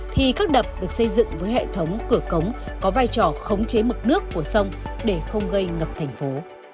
thì các đập được xây dựng với hệ thống cửa cống có vai trò khống chế mực nước của sông để không gây ngập thành phố